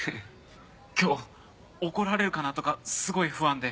今日怒られるかなとかすごい不安で。